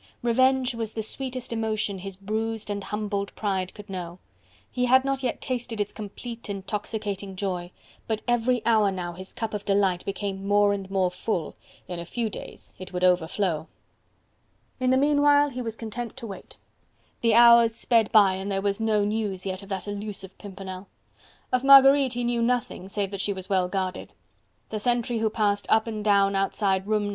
Revenge was the sweetest emotion his bruised and humbled pride could know: he had not yet tasted its complete intoxicating joy: but every hour now his cup of delight became more and more full: in a few days it would overflow. In the meanwhile he was content to wait. The hours sped by and there was no news yet of that elusive Pimpernel. Of Marguerite he knew nothing save that she was well guarded; the sentry who passed up and down outside room No.